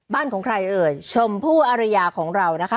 บ้านของใครเอ่ยชมพู่อริยาของเรานะคะ